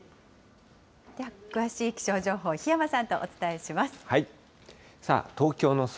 では詳しい気象情報、檜山さんとお伝えします。